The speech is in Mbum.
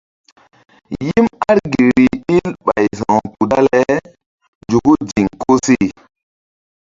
Yim argi rih ɓil ɓay sa̧wkpuh dale nzuku ziŋ koseh.